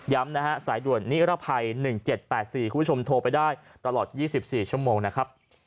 นะฮะสายด่วนนิรภัย๑๗๘๔คุณผู้ชมโทรไปได้ตลอด๒๔ชั่วโมงนะครับ